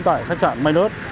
tại khách trạng may đớt